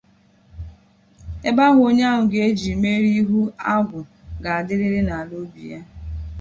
ebe ahụ onye ahụ ga-eji mere ihu agwụ ga-adịrịrị n'ala obi ya.